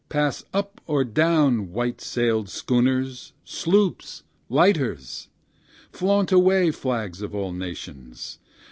pass up or down, white sailed schooners, sloops, lighters! Flaunt away, flags of all nations!